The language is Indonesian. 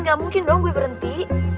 gak mungkin dong gue berhenti